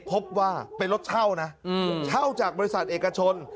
พบว่าเป็นรถเช่านะเช่าจากบริษัทเอกชน